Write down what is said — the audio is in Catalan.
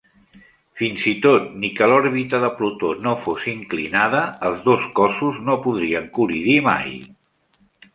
Fins i tot ni que l'òrbita de Plutó no fos inclinada els dos cossos no podrien col·lidir mai.